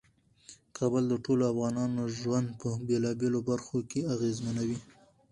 کابل د ټولو افغانانو ژوند په بیلابیلو برخو کې اغیزمنوي.